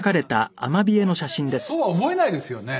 そうは思えないですよね。